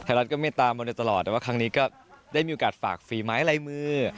ไทยรัฐก็ไม่ตามมาเร็วตลอดแต่ว่าครั้งนี้ก็ได้มีโอกาสฝากฟรีไม้ไร้มือ